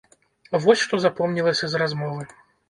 Вось што запомнілася з размовы.